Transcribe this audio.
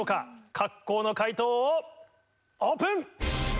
各校の解答をオープン！